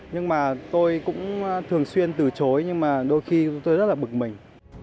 nhưng mà tôi cũng thường xuyên từ chối nhưng mà đôi khi tôi rất là bực mình